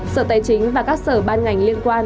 sở tài chính và các sở ban ngành liên quan